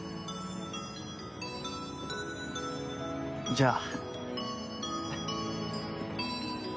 じゃあ。